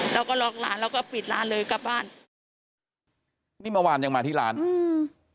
เราก็ล็อกร้านแล้วก็ปิดร้านเลยกลับบ้านนี่เมื่อวานยังมาที่ร้านอืม